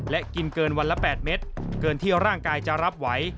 และกินเกินวันละ๘เม็ดเกินที่ร่างกายจะรับไหว